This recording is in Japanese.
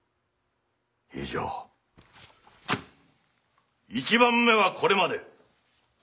以上一番目はこれまで。